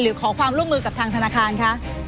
ขอความร่วมมือกับทางธนาคารคะ